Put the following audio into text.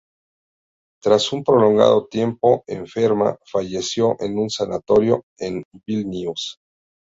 Tras un prolongado tiempo enferma, falleció en un sanatorio en Vilnius.